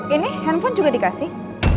ini handphone juga dikasih